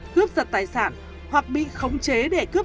cướp giật tài sản hoặc bị khống chế để cướp